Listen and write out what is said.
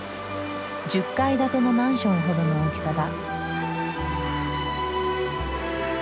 １０階建てのマンションほどの大きさだ。